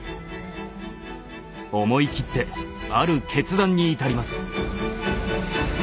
思い切ってある決断に至ります。